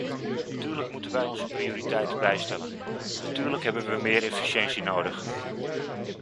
Natuurlijk moeten wij onze prioriteiten bijstellen, natuurlijk hebben we meer efficiëntie nodig.